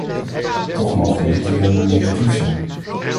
Toch mogen we niet alleen maar negatief zijn.